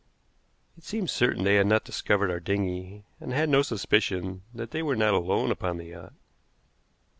It seemed certain they had not discovered our dinghy, and had no suspicion that they were not alone upon the yacht.